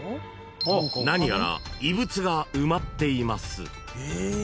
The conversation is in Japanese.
［何やら異物が埋まっています］